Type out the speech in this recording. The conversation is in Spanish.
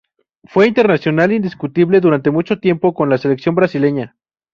Fue internacional indiscutible durante mucho tiempo con la selección brasileña.